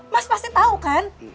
mas pasti tau kan